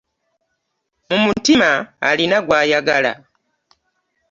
Mu mutima alina gw'ayagala.